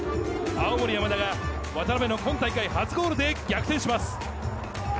青森山田が渡邊の今大会初ゴールで逆転します。